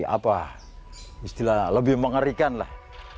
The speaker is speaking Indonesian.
apa istilah lebih mengerikan lah